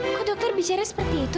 kok dokter bicara seperti itu